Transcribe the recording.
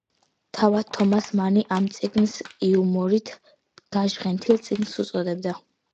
თავად თომას მანი ამ წიგნს იუმორით გაჟღენთილ წიგნს უწოდებდა.